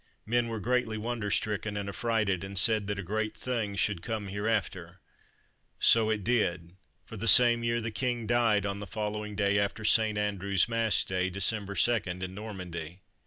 Men were greatly wonder stricken and affrighted, and said that a great thing should come hereafter. So it did, for the same year the king died on the following day after St. Andrew's Mass day, Dec. 2, in Normandy."